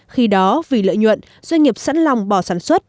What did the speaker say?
khi đó vì lợi nhuận doanh nghiệp sẵn lòng bỏ sản xuất